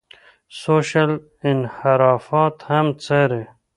سوشل انحرافات هم څاري.